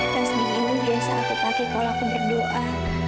tasbih ini biasa aku pakai kalau aku berdoa